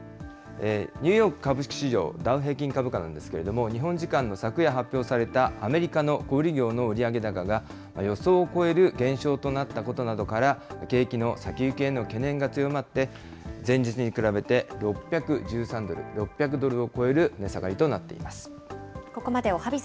ニューヨーク株式市場、ダウ平均株価なんですけれども、日本時間の昨夜発表された、アメリカの小売り業の売上高が、予想を超える減少となったことなどから、景気の先行きへの懸念が強まって、前日に比べて６１３ドル、６００ドルを超える値下がりとなっています。